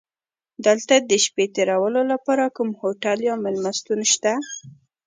دلته د شپې تېرولو لپاره کوم هوټل یا میلمستون شته؟